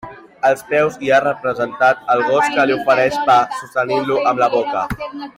Als peus hi ha representat el gos que li ofereix pa, sostenint-lo amb la boca.